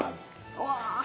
うわ。